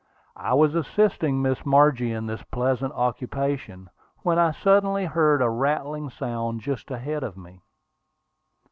I was assisting Miss Margie in this pleasant occupation, when I suddenly heard a rattling sound just ahead of me.